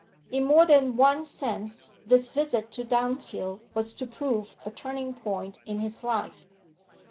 In more than one sense this visit to Dunfield was to prove a turning point in his life.